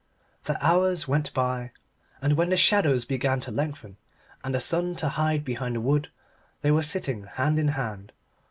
The hours went by, and when the shadows began to lengthen and the sun to hide behind the wood they were sitting hand in hand.